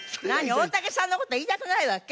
大竹さんの事言いたくないわけ？